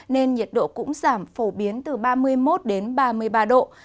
nên nhiệt độ cũng giảm phổ biến từ ba mươi một đến ba mươi ba độ